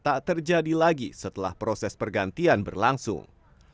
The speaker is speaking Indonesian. tak terjadi lagi setelah proses pergantian berlangsung